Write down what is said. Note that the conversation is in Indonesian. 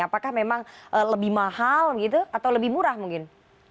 apakah memang lebih mahal gitu atau lebih murah mungkin